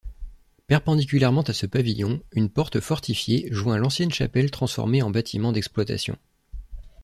Perpendiculairement à ce pavillon, une porte fortifiée joint l'ancienne chapelle transformée en bâtiment d'exploitation.